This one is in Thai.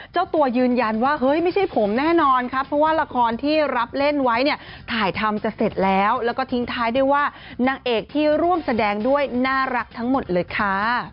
เจ้าตัวยืนยันว่าเฮ้ยไม่ใช่ผมแน่นอนครับเพราะว่าละครที่รับเล่นไว้เนี่ยถ่ายทำจะเสร็จแล้วแล้วก็ทิ้งท้ายด้วยว่านางเอกที่ร่วมแสดงด้วยน่ารักทั้งหมดเลยค่ะ